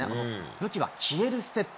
武器は消えるステップ。